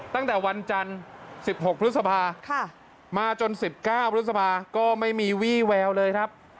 ตั้งแต่วันจันทร์สิบหกพฤษภาค่ะมาจนสิบเก้าพฤษภาก็ไม่มีวี่แววเลยครับ